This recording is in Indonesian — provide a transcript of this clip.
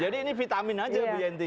jadi ini vitamin aja bu yanti